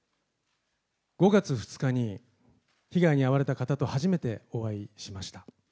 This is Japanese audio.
５月２日に被害に遭われた方と初めてお会いしました。